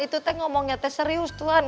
itu teh ngomongnya teh serius tuhan